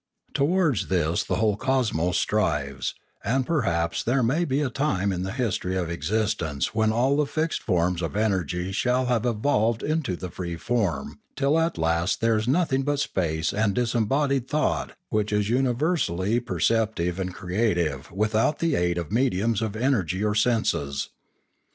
Towards this the whole cosmos strives; and perhaps there may be a time in the history of existence when all the fixed forms of energy shall have evolved into the free form, till at last there is nothing but space and disembodied thought which is universally perceptive and creative without the aid of mediums of energy or senses.